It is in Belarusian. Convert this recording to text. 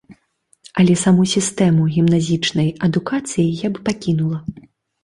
Але саму сістэму гімназічнай адукацыі я б пакінула.